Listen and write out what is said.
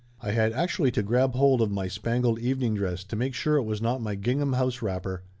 I had actually to grab hold of my spangled evening dress to make sure it was not my gingham house wrapper.